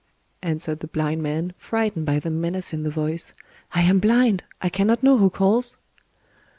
_"(1) answered the blind man, frightened by the menace in the voice,—"I am blind!—I cannot know who calls!"